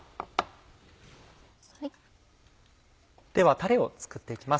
ではたれを作って行きます。